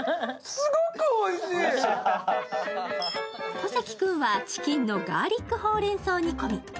小関君はチキンのガーリックほうれん草煮込み。